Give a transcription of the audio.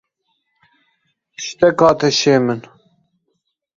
Tiştek hat hişê min.